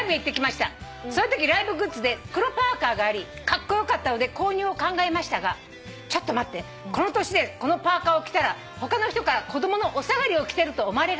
「そのときライブグッズで黒パーカーがありカッコ良かったので購入を考えましたがちょっと待ってこの年でこのパーカーを着たら他の人から子供のお下がりを着てると思われがちです」